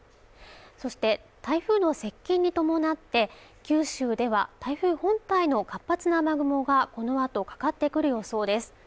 そして台風の接近に伴って九州では台風本体の活発な雨雲がこのあとかかってくる予想です